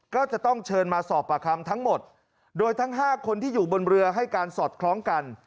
ก็จะต้องเชิญมาสอบประคำทั้งหมดโดยทั้ง๕คนที่อยู่บนเรือให้การสอดคล้องกัน